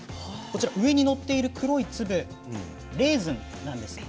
上に載っている黒い粒レーズンなんです。